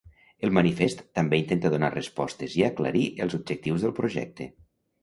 El manifest també intenta donar respostes i aclarir els objectius del projecte.